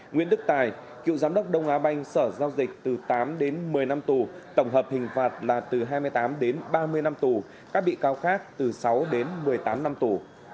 nguyễn đức tài cựu giám đốc đông á banh sở giao dịch từ tám đến một mươi năm tù tổng hợp hình phạt là từ hai mươi tám đến ba mươi năm tù các bị cáo khác từ sáu đến một mươi tám năm tù